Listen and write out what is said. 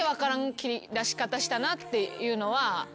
切り出し方したなっていうのは。